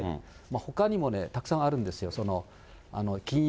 ほかにもたくさんあるんですよ。